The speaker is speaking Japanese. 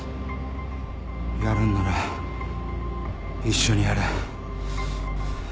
やるんなら一緒にやる。